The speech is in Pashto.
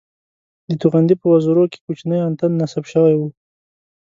د توغندي په وزرو کې کوچنی انتن نصب شوی وو